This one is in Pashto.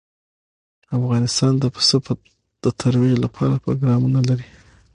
افغانستان د پسه د ترویج لپاره پروګرامونه لري.